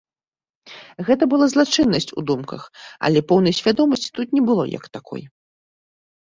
Гэта была злачыннасць у думках, але поўнай свядомасці тут не было як такой.